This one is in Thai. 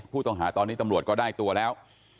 ผู้ต้องหาตอนนี้ตำรวจก็ได้ตัวแล้ว